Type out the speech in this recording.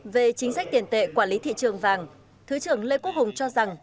về chính sách tiền tệ quản lý thị trường vàng thứ trưởng lê quốc hùng cho rằng